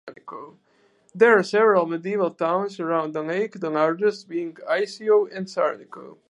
There are several medieval towns around the lake, the largest being Iseo and Sarnico.